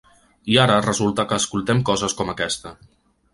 I ara resulta que escoltem coses com aquesta.